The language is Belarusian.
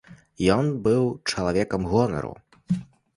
Ён быў чалавекам гонару.